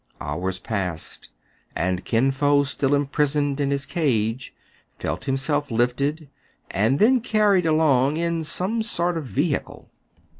Hours passed ; and Kin Fo, still imprisoned in his cage, felt himself lifted, and then carried along in some sort of vehicle.